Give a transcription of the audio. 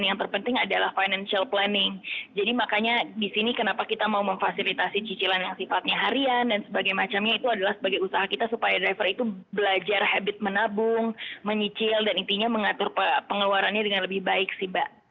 dan yang terpenting adalah financial planning jadi makanya disini kenapa kita mau memfasilitasi cicilan yang sifatnya harian dan sebagainya itu adalah sebagai usaha kita supaya driver itu belajar habit menabung menyicil dan intinya mengatur pengeluarannya dengan lebih baik sih mbak